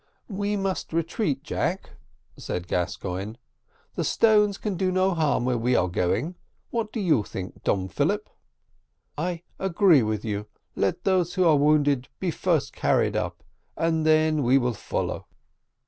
"We must retreat, Jack," said Gascoigne, "the stones can do no harm where we are going to. What think you, Don Philip?" "I agree with you; let those who are wounded be first carried up, and then we will follow."